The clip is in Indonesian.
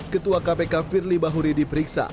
ketua kpk firly bahuri diperiksa